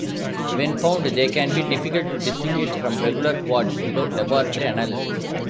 When found, they can be difficult to distinguish from regular quartz without laboratory analysis.